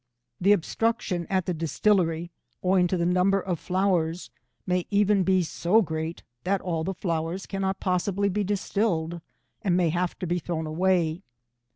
The obstruction at the distillery, owing to the number of flowers, may even be so great that all the flowers cannot possibly be distilled, and may have to be thrown away.